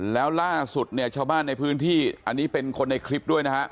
แล้วล่าสุดเนี่ยชาวบ้านในพื้นที่อันนี้เป็นคนในคลิปด้วยนะฮะ